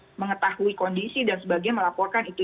untuk mengetahui kondisi dan sebagainya melaporkan itu